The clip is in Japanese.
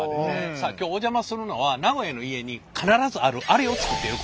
さあ今日お邪魔するのは名古屋の家に必ずあるアレを作っている工場やねん。